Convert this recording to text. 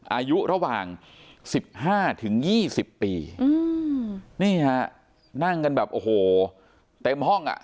อายุระหว่าง๑๕๒๐ปีอืมนี่ฮะนั่งกันแบบโอ้โหเต็มห้องอ่ะ